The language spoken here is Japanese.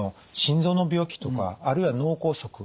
心臓の病気とかあるいは脳梗塞。